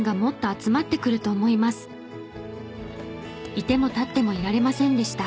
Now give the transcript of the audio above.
いてもたってもいられませんでした。